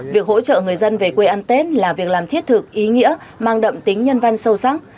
việc hỗ trợ người dân về quê ăn tết là việc làm thiết thực ý nghĩa mang đậm tính nhân văn sâu sắc